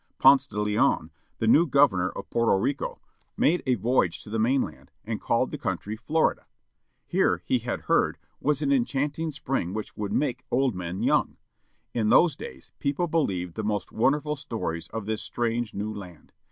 Ponce de Leon, the new governor of Porto Rico, made a voyage to the mainland, and called the country Florida. Here, he had heard, was an enchanted spring which would make old men young. In those days people believed the most wonderfvil stories of this new strange land.